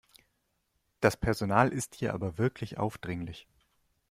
Das Personal ist hier aber wirklich aufdringlich.